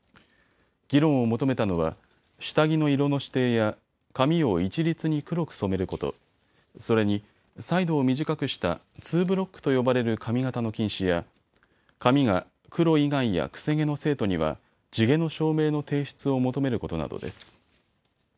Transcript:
議論を求めたのは下着の色の指定や髪を一律に黒く染めること、それにサイドを短くしたツーブロックと呼ばれる髪型の禁止や髪が黒以外や癖毛の生徒には地毛の証明の提出を求めることなどです。